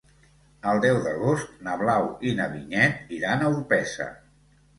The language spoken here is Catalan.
El deu d'agost na Blau i na Vinyet iran a Orpesa.